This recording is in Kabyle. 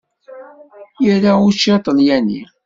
Ira učči aṭalyani.